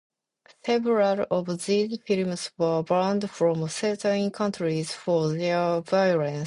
Several of these films were banned from certain countries for their violence.